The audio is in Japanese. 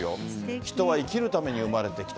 人は生きるために生れて来た！